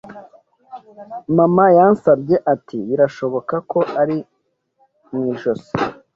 Mama yansabye ati: “Birashoboka ko ari mu ijosi.